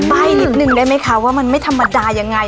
ใบ้นิดนึงได้ไหมคะว่ามันไม่ธรรมดายังไง